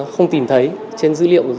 không tìm thấy trên dữ liệu một dạng